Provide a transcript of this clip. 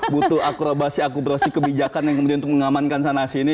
butuh akrobasi akurasi kebijakan yang kemudian untuk mengamankan sana sini